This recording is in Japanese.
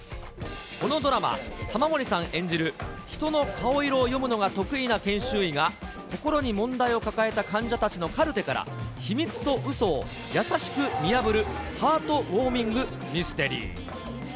このドラマ、玉森さん演じる人の顔色を読むのが得意な研修医が、心に問題を抱えた患者たちのカルテから、秘密とうそを優しく見破るハートウォーミングミステリー。